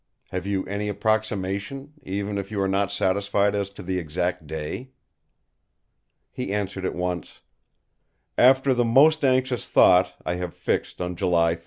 Have you any approximation, even if you are not satisfied as to the exact day?" He answered at once: "After the most anxious thought I have fixed on July 31!"